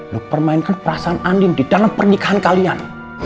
lo permainkan perasaan andin di dalam pernikahan kalian